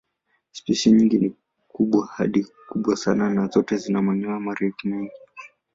Spishi nyingi ni kubwa hadi kubwa sana na zote zina manyoya marefu mengi.